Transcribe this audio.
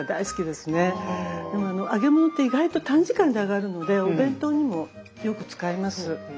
でも揚げ物って意外と短時間で揚がるのでお弁当にもよく使います。